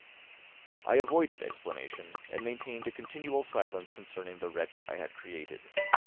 I avoided explanation and maintained a continual silence concerning the wretch I had created.